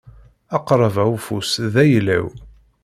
Aqrab-a ufus d ayla-w.